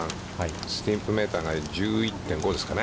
スティンプメーターが１１．５ですかね。